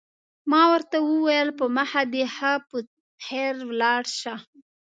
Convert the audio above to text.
ما ورته وویل: په مخه دې ښه، په خیر ولاړ شه.